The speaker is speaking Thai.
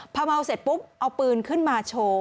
พอเมาเสร็จปุ๊บเอาปืนขึ้นมาโชว์